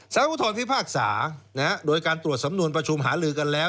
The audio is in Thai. สารอุทธรพิพากษาโดยการตรวจสำนวนประชุมหาลือกันแล้ว